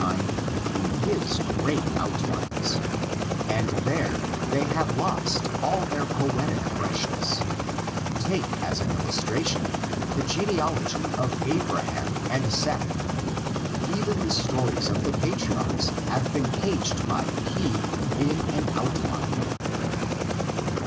time in his gray outlines, and there they have lost all their poetic freshness: take as an illustration the genealogy of Adam and Seth. Even the stories of the patriarchs have been caged by P in an outline.